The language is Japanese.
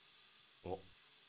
あっ？